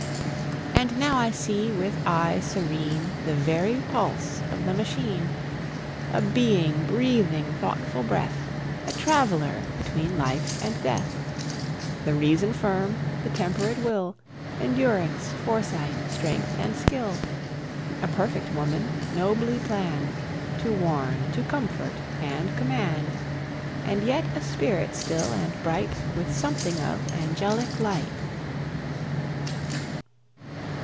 And now I see with eye serene The very pulse of the machine; A Being breathing thoughtful breath, A Traveller between life and death: The reason firm, the temperate will, Endurance, foresight, strength, and skill; A perfect Woman, nobly planned, To warn, to comfort, and command; And yet a Spirit still, and bright, With something of angelic light.